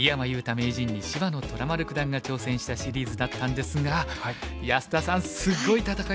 名人に芝野虎丸九段が挑戦したシリーズだったんですが安田さんすっごい戦いでしたが見てましたか？